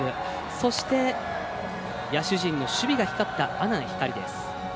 そして、野手陣の守備が光った阿南光です。